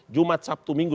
jumat sabtu minggu